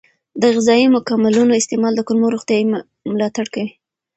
د غذایي مکملونو استعمال د کولمو روغتیا ملاتړ کوي.